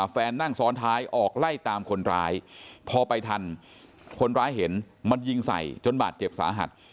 นั่งซ้อนท้ายออกไล่ตามคนร้ายพอไปทันคนร้ายเห็นมันยิงใส่จนบาดเจ็บสาหัส